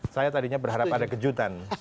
saya tadinya berharap ada kejutan